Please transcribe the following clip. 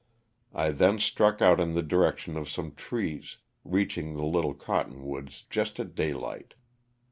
I then struck out in the direction of some trees, reaching the little cottonwoods just at daylight.